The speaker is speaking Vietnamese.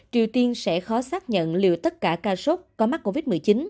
triều tiên sẽ khó xác nhận liệu tất cả ca sốc có mắc covid một mươi chín